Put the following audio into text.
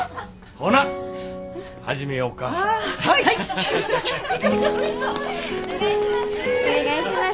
お願いします。